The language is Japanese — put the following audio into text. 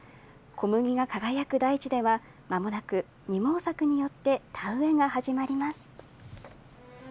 小麦が輝く大地では、まもなく二毛作によって田植えが始まります。